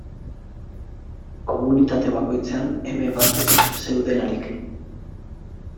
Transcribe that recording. Komunitate bakoitzean eme batzuk zeudelarik.